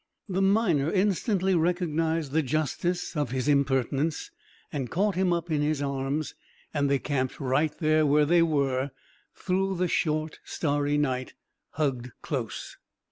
The miner instantly recognized the justice of his impertinence and caught him up in his arms, and they camped right there where they were through the short, starry night, hugged close.